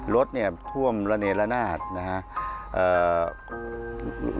รถท่วมระเนดระนาดนะครับ